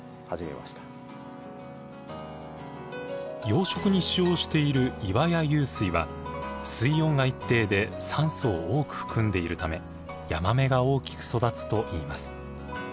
養殖に使用している岩屋湧水は水温が一定で酸素を多く含んでいるためヤマメが大きく育つといいます。